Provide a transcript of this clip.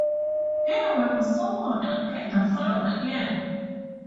He will be summoned again the following year.